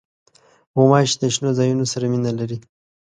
غوماشې د شنو ځایونو سره مینه لري.